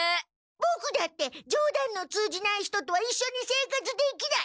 ボクだってじょうだんの通じない人とはいっしょに生活できない。